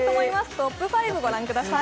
トップ５御覧ください。